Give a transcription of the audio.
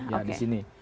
ya di sini